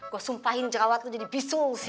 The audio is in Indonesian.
gue sumpahin jerawat lo jadi bisul sih